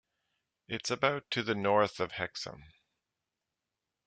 It is about to the north of Hexham.